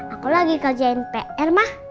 aku lagi kerjain pr mak